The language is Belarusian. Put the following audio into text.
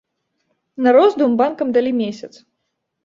На роздум банкам далі месяц.